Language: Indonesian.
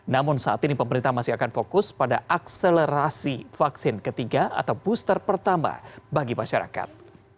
namun saat ini pemerintah masih akan fokus pada akselerasi vaksin ketiga atau booster pertama bagi masyarakat